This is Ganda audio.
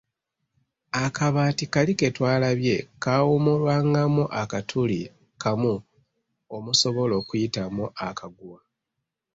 Akabaati kali ke twalabye kaawummulwangamu akatuli kamu omusobola okuyitamu akaguwa.